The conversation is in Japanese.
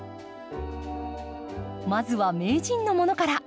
まずは名人のものから。